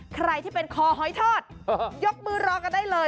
ใครที่เป็นคอหอยทอดยกมือรอกันได้เลย